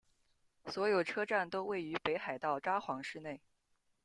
所有车站都位于北海道札幌市内。